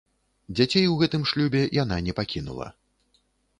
Дзяцей у гэтым шлюбе яна не пакінула.